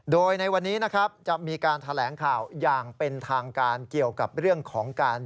โดยในวันนี้นะครับจะมีการแถลงข่าวอย่างเป็นทางการเกี่ยวกับเรื่องของการ